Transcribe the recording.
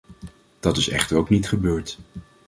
Dat is echter ook niet gebeurd.